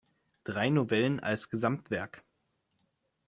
Drei Novellen als Gesamtwerk.